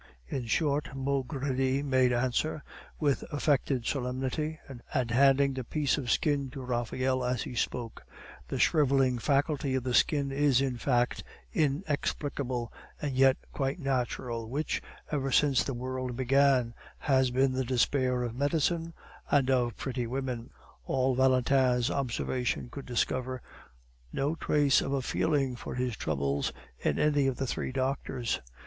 "In short," Maugredie made answer, with affected solemnity, and handing the piece of skin to Raphael as he spoke, "the shriveling faculty of the skin is a fact inexplicable, and yet quite natural, which, ever since the world began, has been the despair of medicine and of pretty women." All Valentin's observation could discover no trace of a feeling for his troubles in any of the three doctors.